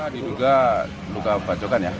duga luka bantokan ya